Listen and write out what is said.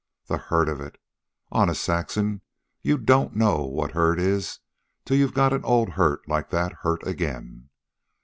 "The hurt of it! Honest, Saxon, you don't know what hurt is till you've got a old hurt like that hurt again.